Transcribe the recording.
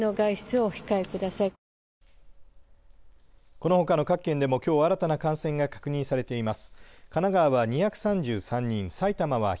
このほかの各県でもきょう新たな感染が確認されています。